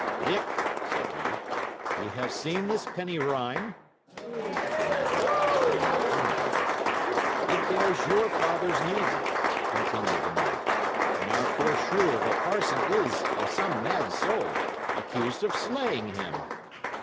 "Dick," said he, "Y' have seen this penny rhyme?" The lad replied in the affirmative. "It bears your father's name," continued the knight; "and our poor shrew of a parson is, by some mad soul, accused of slaying him."